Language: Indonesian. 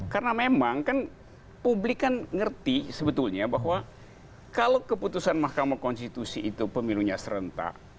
karena memang kan publik kan ngerti sebetulnya bahwa kalau keputusan mahkamah konstitusi itu pemilunya serentak